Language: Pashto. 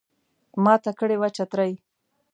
ماته کړي وه چترۍ